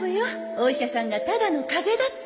お医者さんがただの風邪だって。